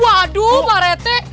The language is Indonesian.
waduh pak rete